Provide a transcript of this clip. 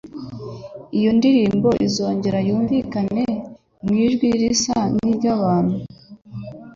iyo ndirimbo izongera yumvikane mu ijwi risa n'iry'abantu